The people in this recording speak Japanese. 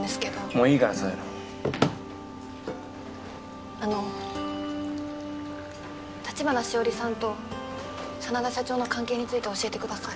もういいからそういうのあの橘しおりさんと真田社長の関係について教えてください